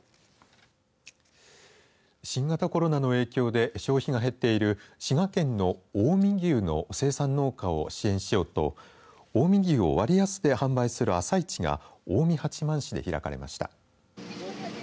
新型コロナの影響で消費が減っている滋賀県の近江牛の生産農家を支援しようと近江牛を割安で販売する朝市が近江八幡市で開かれました。